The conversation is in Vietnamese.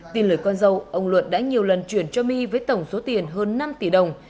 tin lời con dâu ông luận đã nhiều lần chuyển cho my với tổng số tiền hơn năm tỷ đồng